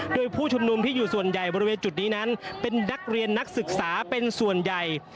โดยผู้ชุมนุมที่อยู่ส่วนใหญ่บริเวณจุดนี้นั้นเป็นนักเรียนนักศึกษาเป็นส่วนใหญ่